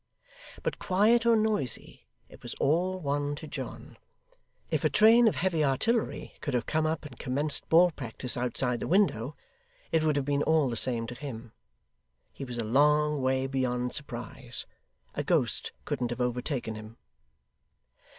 But quiet or noisy, it was all one to John. If a train of heavy artillery could have come up and commenced ball practice outside the window, it would have been all the same to him. He was a long way beyond surprise. A ghost couldn't have overtaken him.